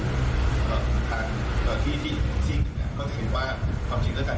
หรือแบบที่ที่อยู่สี่คนอย่างนั้นก็จะเห็นว่าความจริงเท่ากัน